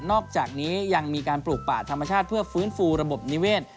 อกจากนี้ยังมีการปลูกป่าธรรมชาติเพื่อฟื้นฟูระบบนิเวศ